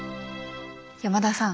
山田さん。